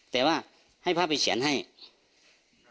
แต่ว่าให้พระอาจารย์ไปเฉียนให้เท่านั้นแหละ